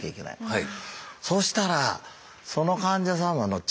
はい。